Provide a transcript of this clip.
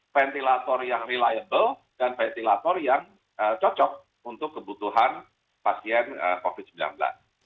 dan ventilator yang reliable dan ventilator yang cocok untuk kebutuhan pasien covid sembilan belas